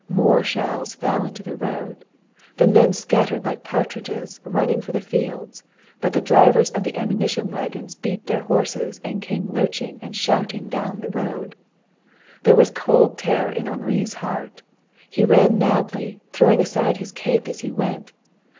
More shells fell into the road. The men scattered like partridges, running for the fields, but the drivers of the ammunition wagons beat their horses and came lurching and shouting down the road. There was cold terror in Henri's heart. He ran madly, throwing aside his cape as he went.